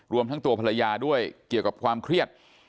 รวมทั้งตัวภรรยาด้วยเกี่ยวกับความเครียด